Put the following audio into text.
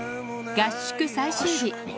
合宿最終日。